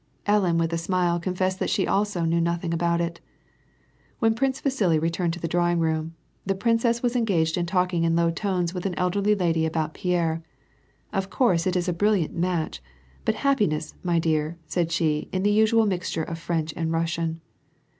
Ellen with a smile confessed that she also knew nothing about it. When Prince Vasili returned to the drawing room, the jain cess was engaged in talking in low tones with an elderly lady about Pierre. "Of course it is a very brilliant match, but happiness, my dear," ♦ said sh^, in the usual mixture of French and Eussian.